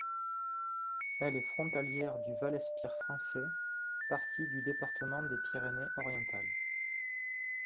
Elle est frontalière du Vallespir français, partie du département des Pyrénées-Orientales.